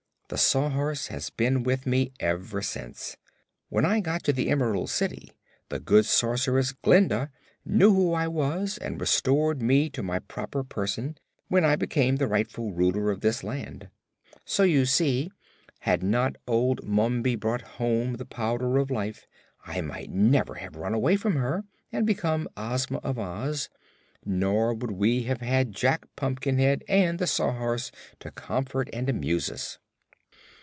The Sawhorse has been with me ever since. When I got to the Emerald City the good Sorceress, Glinda, knew who I was and restored me to my proper person, when I became the rightful Ruler of this land. So you see had not old Mombi brought home the Powder of Life I might never have run away from her and become Ozma of Oz, nor would we have had Jack Pumpkinhead and the Sawhorse to comfort and amuse us."